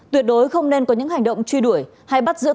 tuyệt đối không nên có những hành động truy đuổi hay bắt giữ